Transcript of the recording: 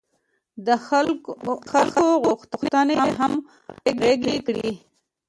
د خلکو غوښتنې همغږې کړي.